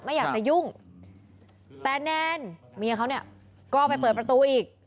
ไม่อยากจะยุ่งแต่แนนเมียเขาเนี่ยก็ไปเปิดประตูอีก